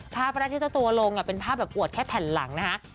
ภาพละที่จะตัวลงอะเป็นภาพอวดแค่แผ่นหลังนะคะ